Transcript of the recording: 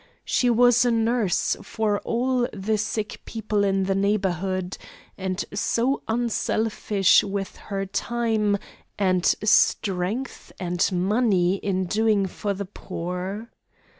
She was a nurse for all the sick people in the neighbourhood; and so unselfish with her time, and strength, and money in doing for the poor.